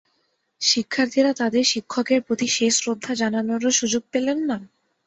শিক্ষার্থীরা তাঁদের শিক্ষকের প্রতি শেষ শ্রদ্ধা জানানোরও সুযোগ পেলেন না?